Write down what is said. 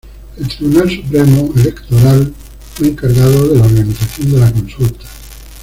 El Tribunal Supremo Electoral fue encargado de la organización de la consulta.